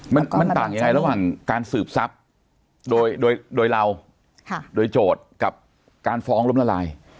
มันมันต่างยังไงระหว่างการสืบทรัพย์โดยโดยเราโดยโจทย์กับการฟ้องล้มละลาย